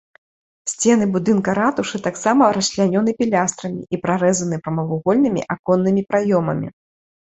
Сцены будынка ратушы таксама расчлянёны пілястрамі і прарэзаны прамавугольнымі аконнымі праёмамі.